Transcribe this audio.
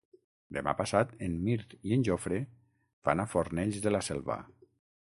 Demà passat en Mirt i en Jofre van a Fornells de la Selva.